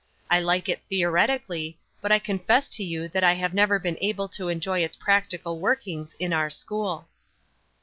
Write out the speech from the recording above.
I like it theoretically, but I confess to you that I have never been able to enjoy its practical workings in our school."